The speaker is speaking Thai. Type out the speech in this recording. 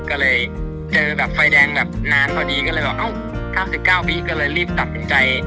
ก็เลยเจอแบบไฟแดงแบบนานพอดีก็เลยแบบอ้าวสิบเก้าปีก็เลยรีบตัดสินใจ